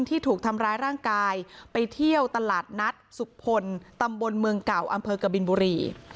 ที่ถูกทำร้ายร่างกายไปเที่ยวตลาดนัดสุพลตำบลเมืองเก่าอำเภอกบินบุรี